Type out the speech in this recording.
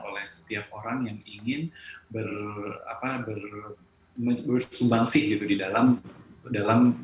oleh setiap orang yang ingin bersumbang sih gitu di dalam